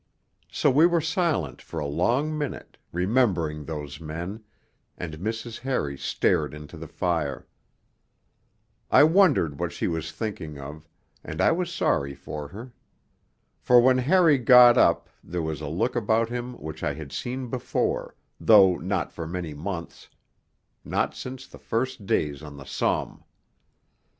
So we were silent for a long minute, remembering those men, and Mrs. Harry stared into the fire. I wondered what she was thinking of, and I was sorry for her. For when Harry got up there was a look about him which I had seen before, though not for many months not since the first days on the Somme....